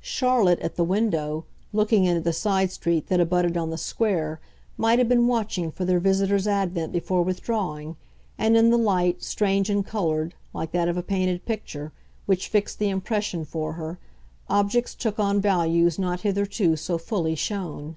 Charlotte, at the window, looking into the side street that abutted on the Square, might have been watching for their visitor's advent before withdrawing; and in the light, strange and coloured, like that of a painted picture, which fixed the impression for her, objects took on values not hitherto so fully shown.